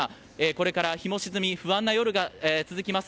これから日が沈み不安な夜が続きます